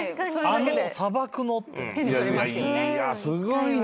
すごいね。